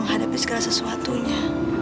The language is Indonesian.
menghadapi segala sesuatunya